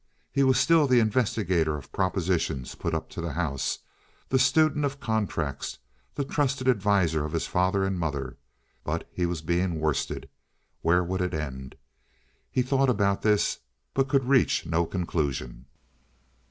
He was still the investigator of propositions put up to the house, the student of contracts, the trusted adviser of his father and mother—but he was being worsted. Where would it end? He thought about this, but could reach no conclusion.